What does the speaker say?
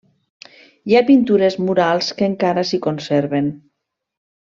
Hi ha pintures murals que encara s'hi conserven.